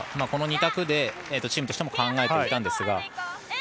この２択でチームとしても考えていたんですが。